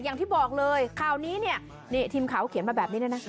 อย่างที่บอกเลยคราวนี้เนี่ยทีมเขาเขียนมาแบบนี้ด้วยนะ